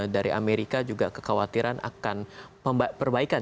dari amerika juga kekhawatiran akan perbaikan